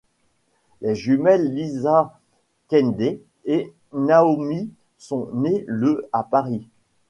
Les jumelles Lisa-Kaindé et Naomi sont nées le à Paris.